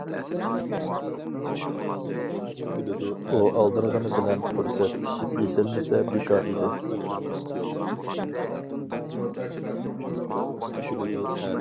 ئۇ ئالدىرىغىنى بىلەن پۇرسەت پىشىپ يېتىلمىسە بىكار ئىدى.